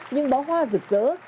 nhưng bó hoa rực rỡ